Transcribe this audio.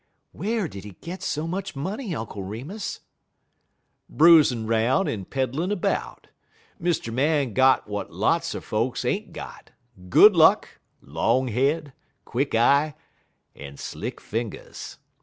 "Where did he get so much money, Uncle Remus?" "Bruisin' 'round en peddlin' 'bout. Mr. Man got w'at lots er folks ain't got, good luck, long head, quick eye, en slick fingers.